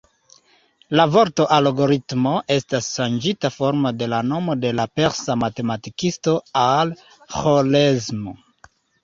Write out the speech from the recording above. La vorto "algoritmo" estas ŝanĝita formo de la nomo de la persa matematikisto Al-Ĥorezmi.